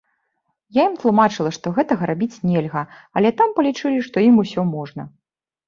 Я ім тлумачыла, што гэтага рабіць нельга, але там палічылі, што ім усё можна.